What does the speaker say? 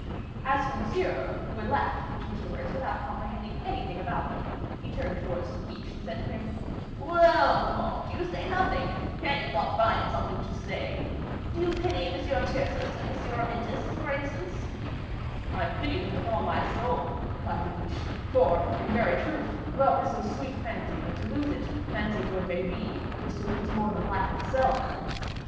As for Monsieur, who had laughed at the two stories without comprehending anything about them, he turned towards De Guiche, and said to him, "Well, comte, you say nothing; can you not find something to say? Do you pity M. Tyrcis and M. Amyntas, for instance?" "I pity them with all my soul," replied De Guiche; "for, in very truth, love is so sweet a fancy, that to lose it, fancy though it may be, is to lose more than life itself.